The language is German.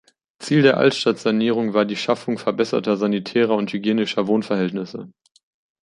Ziel der Altstadtsanierung war die Schaffung verbesserter sanitärer und hygienischer Wohnverhältnisse.